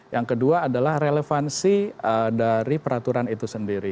yang kedua adalah relevansi dari peraturan itu sendiri